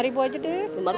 rp lima aja deh